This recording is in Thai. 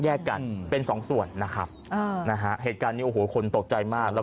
แยกกันเป็นสองส่วนนะครับนะฮะเหตุการณ์คนตกใจมากแล้ว